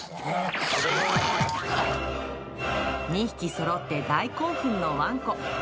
２匹そろって大興奮のワンコ。